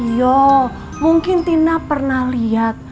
iya mungkin tina pernah liat